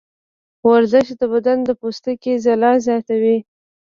ورزش د بدن د پوستکي ځلا زیاتوي.